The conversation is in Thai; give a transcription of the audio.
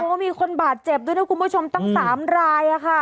ก็มีคนบาดเจ็บด้วยนะคุณผู้ชมตั้ง๓ราย